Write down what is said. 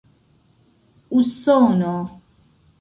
usono